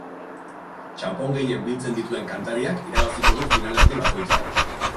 Txanpon gehien biltzen dituen kantariak irabaziko du finalerdi bakoitza.